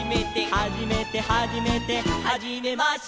「はじめてはじめて」「はじめまして」